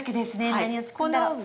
何を作るんだろう？